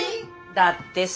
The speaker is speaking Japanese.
だってさ。